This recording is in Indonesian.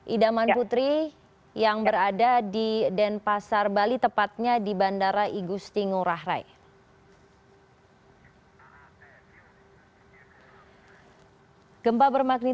idaman putri yang berada di denpasar bali tepatnya di bandara igusti ngurah rai